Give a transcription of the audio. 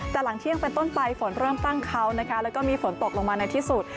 แต่หลังเที่ยงเป็นต้นไปฝนเริ่มตั้งเขานะคะแล้วก็มีฝนตกลงมาในที่สุด